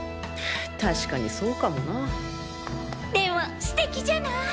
確かにそうかもなでもステキじゃない？